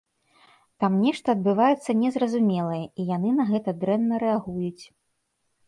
Там нешта адбываецца незразумелае, і яны на гэта дрэнна рэагуюць.